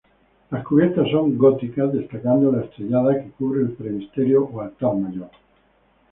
Las cubiertas son góticas, destacando la estrellada que cubre el Presbiterio o altar mayor.